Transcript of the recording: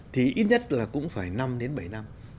thì ít nhất là cũng phải năm đến bảy năm